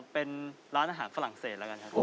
เป็นร้านอาหารฝรั่งเศสแล้วกันครับ